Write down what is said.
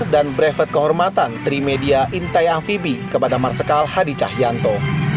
dan brevet kehormatan trimedia intai amfibi kepada marsikal hadi cahyanto